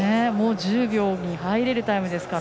１０秒に入れるタイムですから。